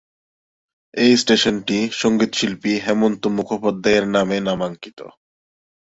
এই স্টেশনটি সঙ্গীতশিল্পী হেমন্ত মুখোপাধ্যায়ের নামে নামাঙ্কিত।